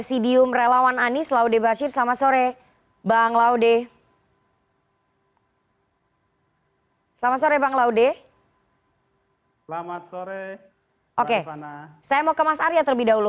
saya mau ke mas arya terlebih dahulu